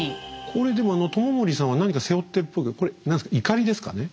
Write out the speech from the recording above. これでも知盛さんは何か背負ってるっぽいけどこれなんすかいかりですかね？